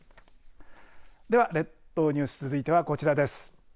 では列島ニュース続いてはこちらです。